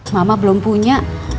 mama belum punya